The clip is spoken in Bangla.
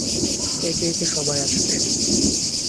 একে একে সবাই আসবে।